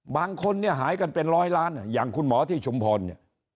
บางคนเนี่ยหายกันเป็นร้อยล้านอย่างคุณหมอที่ชุมพรเนี่ย